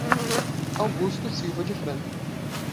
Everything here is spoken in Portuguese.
Augusto Silva de Franca